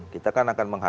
kita kan akan mengambil